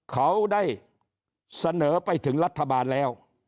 เขาได้เสนอไปถึงรัฐบาลแล้ว